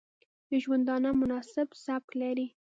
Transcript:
د ژوندانه مناسب سبک لري